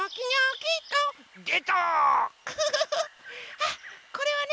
あこれはね